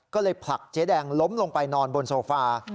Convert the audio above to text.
ก็เลยผลักเจ๊แดงล้มลงไปนอนบนโซฟา